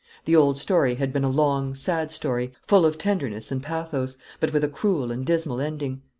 The old story had been a long, sad story, fall of tenderness and pathos, but with a cruel and dismal ending.